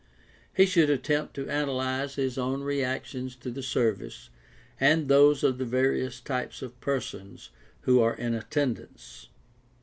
He should attempt to analyze his own reactions to the service and those of the various types of persons who are in attendance.